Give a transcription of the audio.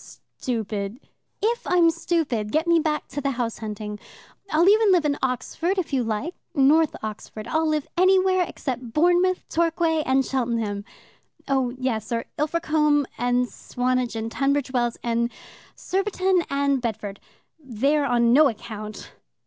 "Stupid " "If I'm stupid, get me back to the house hunting. I'll even live in Oxford if you like North Oxford. I'll live anywhere except Bournemouth, Torquay, and Cheltenham. Oh yes, or Ilfracombe and Swanage and Tunbridge Wells and Surbiton and Bedford. There on no account."